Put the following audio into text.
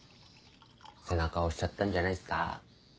背中押しちゃったんじゃないすか？